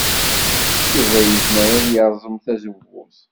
Yuba yezmer ad yerẓem tazewwut.